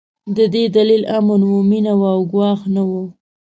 د دې دلیل امن و، مينه وه او ګواښ نه و.